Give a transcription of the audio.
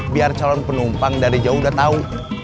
biar calon penumpang dari jauh udah tahu